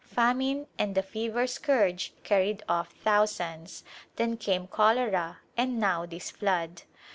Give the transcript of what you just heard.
Famine and the fever scourge carried ofF thousands, then came cholera and now this flood.